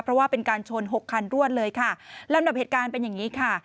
เพราะว่าเป็นการชนหกคันรวดเลยค่ะลำดับเหตุการณ์เป็นอย่างนี้ค่ะ